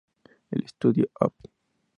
El "Estudio Op.